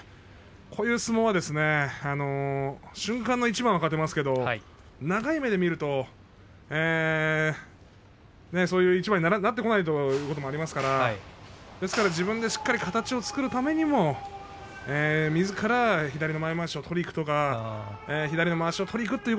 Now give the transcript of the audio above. こういう相撲は瞬間の一番はいいですけれど、長い目で見るとそういう一番になってこないと思いますのでですから自分でしっかり形を作るためにもみずから左の前まわしを取りにいくとか左のまわしを取りにいくという。